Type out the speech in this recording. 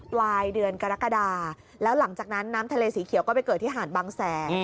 ปลายเดือนกรกฎาแล้วหลังจากนั้นน้ำทะเลสีเขียวก็ไปเกิดที่หาดบางแสน